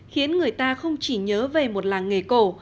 khiến người ta không chỉ nhớ về một làng nghề cổ